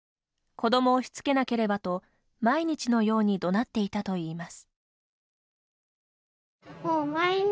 子どもをしつけなければと毎日のようにどなっていたといいます。